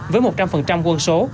với một trăm linh quân số